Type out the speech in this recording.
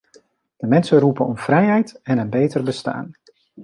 De mensen roepen om vrijheid en een beter bestaan.